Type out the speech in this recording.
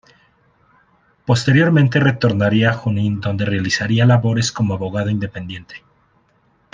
Posteriormente retornaría a Junín donde realizaría labores como abogado independiente.